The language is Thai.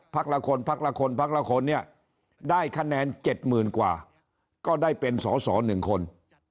ละคนพักละคนพักละคนเนี่ยได้คะแนน๗๐๐๐กว่าก็ได้เป็นสอสอ๑คน